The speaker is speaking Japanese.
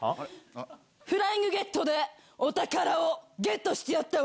フライングゲットでお宝をゲットしてやったわ。